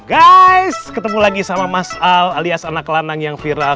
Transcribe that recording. guys ketemu lagi sama mas al alias anak lanang yang viral